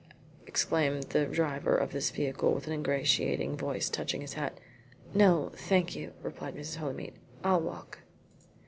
exclaimed the driver of this vehicle in an ingratiating voice, touching his hat. "No, thank you," replied Mrs. Holymead. "I'll walk."